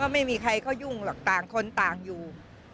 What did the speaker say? ไม่มีใครเขายุ่งหรอกต่างคนต่างอยู่